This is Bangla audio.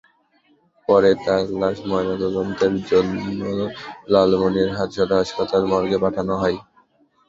পরে তার লাশ ময়নাতদন্তের জন্য লালমনিরহাট সদর হাসপাতালের মর্গে পাঠানো হয়।